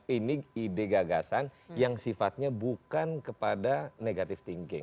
ini ide gagasan yang sifatnya bukan kepada negative thinking